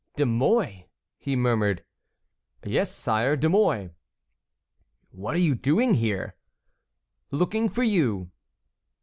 "De Mouy!" he murmured. "Yes, sire, De Mouy." "What are you doing here?" "Looking for you."